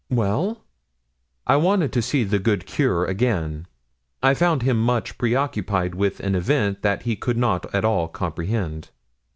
"Well?" "I wanted to see the good curé again. I found him much preoccupied with an event that he could not at all comprehend.